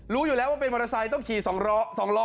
รู้อยู่แล้วว่าเป็นมอเตอร์ไซค์ต้องขี่๒ล้อ